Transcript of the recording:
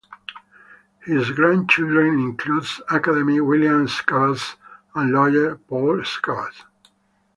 His grandchildren include academic William Schabas and lawyer Paul Schabas.